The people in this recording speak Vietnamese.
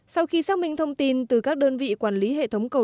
sau khi xác minh thông tin từ các đơn vị quản lý hệ thống cầu